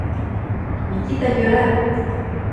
Микита йӧра!..